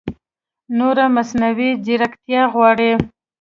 نوره مصنعوي ځېرکتیا غواړي